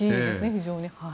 非常に。